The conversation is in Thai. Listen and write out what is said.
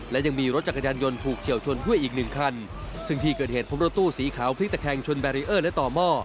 และยังมีรถจักรยานยนต์ถูกเฉียวชนด้วยอีกหนึ่งคันซึ่งที่เกิดเหตุพบรถตู้สีขาวพลิกตะแคงชนแบรีเออร์และต่อหม้อ